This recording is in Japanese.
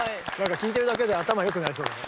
聴いてるだけで頭良くなりそうだね。